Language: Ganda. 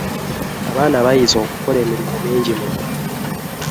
abaana bayize okukola emirimu mingi mu mugalo